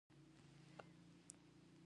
له کومې ستونزې پرته معلومېدل.